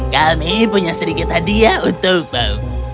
kami punya sedikit hadiah untukmu